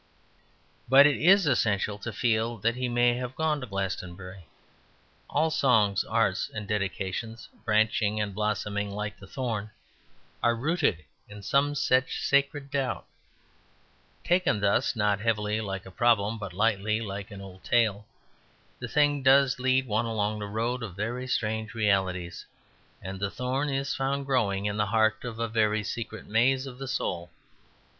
But it is essential to feel that he may have gone to Glastonbury: all songs, arts, and dedications branching and blossoming like the thorn, are rooted in some such sacred doubt. Taken thus, not heavily like a problem but lightly like an old tale, the thing does lead one along the road of very strange realities, and the thorn is found growing in the heart of a very secret maze of the soul.